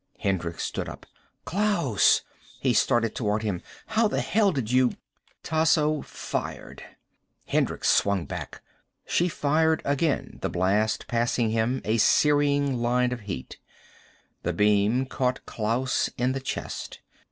Hendricks stood up. "Klaus!" He started toward him. "How the hell did you " Tasso fired. Hendricks swung back. She fired again, the blast passing him, a searing line of heat. The beam caught Klaus in the chest.